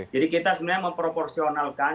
jadi kita sebenarnya memproporsionalkan